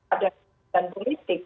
ada keuntungan politik